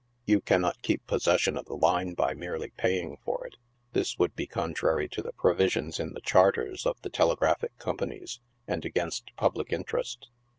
You cannot keep possession of the liue by merely paying for it. This would be contrary to the provisions in the charters of the Telegraphic Com panies, and against public interest.